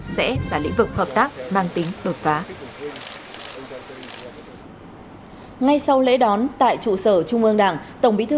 sẽ là lĩnh vực hợp tác mang tính đột phá